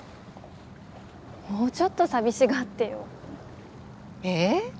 もうちょっと寂しがってよ。え？